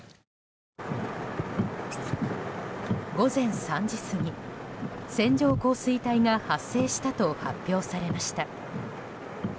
午前３時過ぎ、線状降水帯が発生したと発表されました。